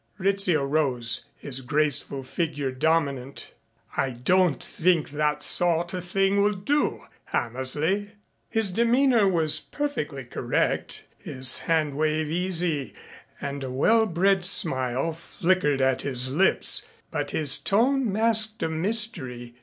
Rizzio rose, his graceful figure dominant. "I don't think that sort of thing will do, Hammersley." His demeanor was perfectly correct, his hand wave easy and a well bred smile flickered at his lips, but his tone masked a mystery.